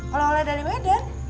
oleh oleh dari medan